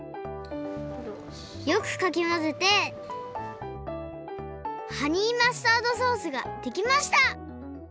よくかきまぜてハニーマスタードソースができました。